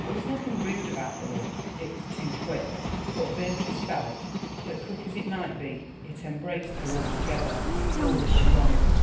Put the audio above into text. There was nothing rude about the look, it was too quick, but Beatrice felt that quick as it might be it embraced her altogether. Nor was she wrong.